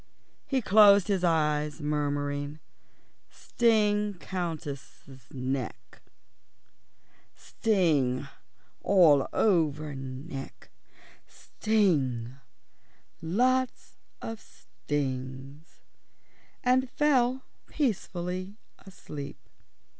He closed his eyes, muttering, "Sting Countess neck, sting all over neck, sting lots stings," and fell peacefully asleep.